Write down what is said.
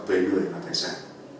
về người và tài sản